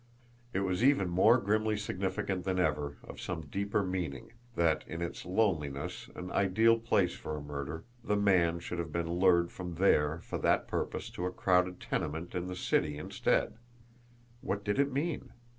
It was even more grimly significant than ever of some deeper meaning that, in its loneliness an ideal place for a murder, the man should have been lured from there for that purpose to a crowded tenement in the city instead! What did it mean?